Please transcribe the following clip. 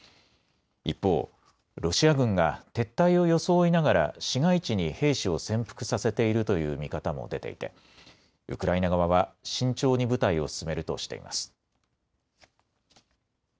一方、ロシア軍が撤退を装いながら市街地に兵士を潜伏させているという見方も出ていて、ウクライナ側は慎重に部隊を進めるとしています。